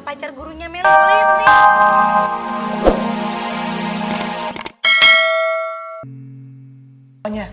pacar gurunya meli boleh izin pulang duluan